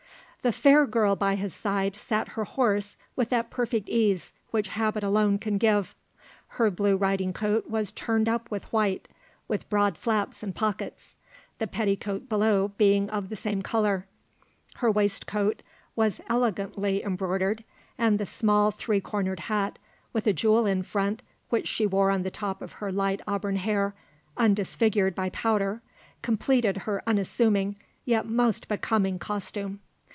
The fair girl by his side sat her horse with that perfect ease which habit alone can give. Her blue riding coat was turned up with white, with broad flaps and pockets, the petticoat below being of the same colour; her waistcoat was elegantly embroidered, and the small three cornered hat with a jewel in front which she wore on the top of her light auburn hair, undisfigured by powder, completed her unassuming yet most becoming costume.